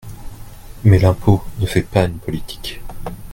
Mais l’impôt ne fait pas une politique.